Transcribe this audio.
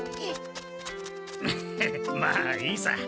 まあいいさ。